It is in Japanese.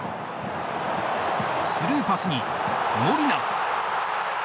スルーパスにモリナ。